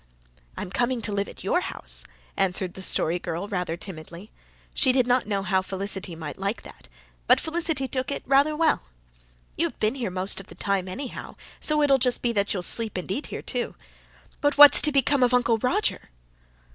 "I'm coming to live at your house," answered the Story Girl rather timidly. She did not know how Felicity might like that. But Felicity took it rather well. "You've been here most of the time anyhow, so it'll just be that you'll sleep and eat here, too. But what's to become of Uncle Roger?"